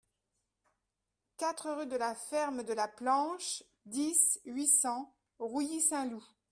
quatre rue de la Ferme de la Planche, dix, huit cents, Rouilly-Saint-Loup